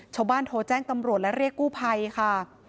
ชาวบ้านโทรแจ้งตำรวจและเรียกกู้ภัยค่ะ